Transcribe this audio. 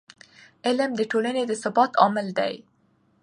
علم د ټولنې د ثبات عامل دی.